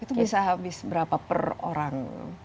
itu bisa habis berapa per orang